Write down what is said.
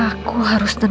ya aku sudah merusak kak